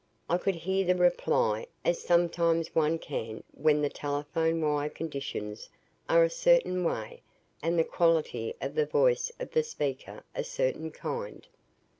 I could hear the reply, as sometimes one can when the telephone wire conditions are a certain way and the quality of the voice of the speaker a certain kind.